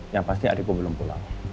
yang pasti adik gue belum pulang